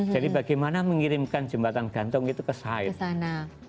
jadi bagaimana mengirimkan jembatan gantung itu ke sana